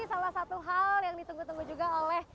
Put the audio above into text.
salah satu hal yang ditunggu tunggu juga oleh